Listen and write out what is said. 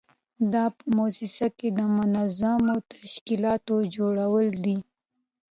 دا په موسسه کې د منظمو تشکیلاتو جوړول دي.